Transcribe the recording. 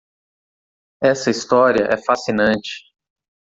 Essa história é fascinante.